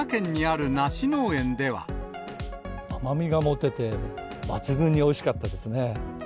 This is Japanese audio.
甘みが持てて、抜群においしかったですね。